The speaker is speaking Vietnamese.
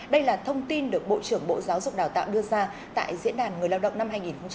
đây là thông tin được bộ trưởng bộ giáo dục đào tạo đưa ra tại diễn đàn người lao động năm hai nghìn một mươi chín